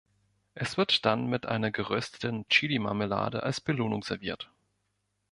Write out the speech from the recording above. Es wird dann mit einer gerösteten Chili-Marmelade als Belohnung serviert.